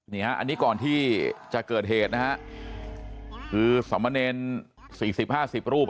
นี่ฮะอันนี้ก่อนที่จะเกิดเหตุนะฮะคือสมเนรสี่สิบห้าสิบรูป